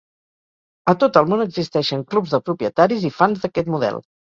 A tot el món existeixen clubs de propietaris i fans d'aquest model.